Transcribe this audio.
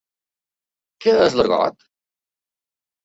Què és l'argot?